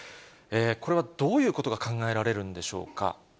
これはどういうことが考えられるんでしょうか。